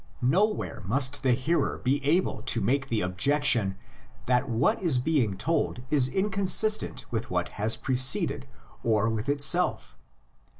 Nowhere must the hearer be able to make the objec tion that what is being told is inconsistent with what has preceded or with itself.